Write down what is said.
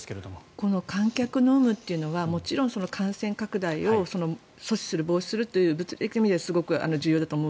この観客の有無というのはもちろん感染拡大を阻止するという物理的な意味ですごく重要だと思う